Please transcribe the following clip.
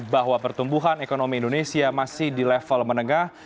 bahwa pertumbuhan ekonomi indonesia masih di level menengah